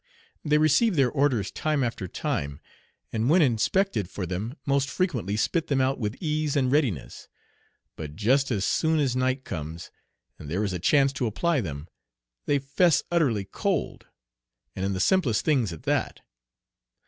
They receive their orders time after time, and when inspected for them most frequently spit them out with ease and readiness; but just as soon as night comes, and there is a chance to apply them, they "fess utterly cold," and in the simplest things at that.